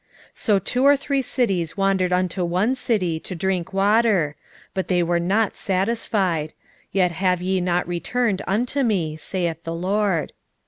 4:8 So two or three cities wandered unto one city, to drink water; but they were not satisfied: yet have ye not returned unto me, saith the LORD.